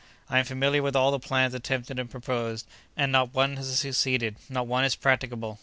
I am familiar with all the plans attempted and proposed, and not one has succeeded, not one is practicable.